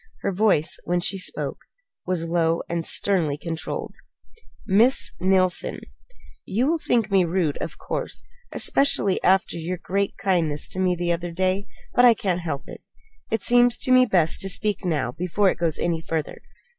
Her voice, when she spoke, was low and sternly controlled. "Miss Neilson, you will think me rude, of course, especially after your great kindness to me the other day; but I can't help it. It seems to me best to speak now before it goes any further."